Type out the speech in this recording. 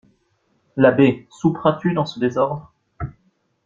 L'abbé, souperas-tu dans ce désordre?